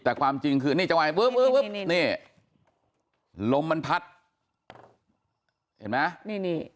แต่ความจริงคือนี่จังหวะลมมันพัดเห็นไหม